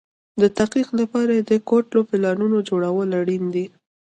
د تحقق لپاره يې د کوټلو پلانونو جوړول اړين دي.